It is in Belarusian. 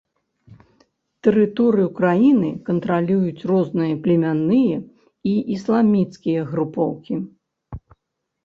Тэрыторыю краіны кантралююць розныя племянныя і ісламісцкія групоўкі.